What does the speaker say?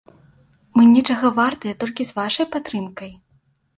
Мы нечага вартыя толькі з вашай падтрымкай!